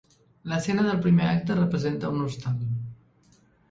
L'escena del primer acte representa un hostal.